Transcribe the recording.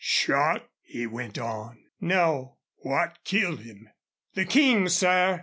"Shot?" he went on. "No." "What killed him?" "The King, sir!